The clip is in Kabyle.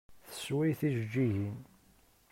Tessewway tijeǧǧigin.